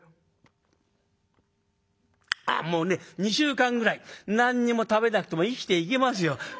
「もうね２週間ぐらい何にも食べなくても生きていけますよ。